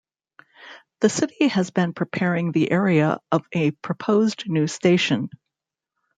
The city has been preparing the area of a proposed new station.